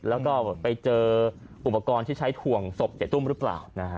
แล้วก็ไปเจออุปกรณ์ที่ใช้ถ่วงศพเสียตุ้มหรือเปล่า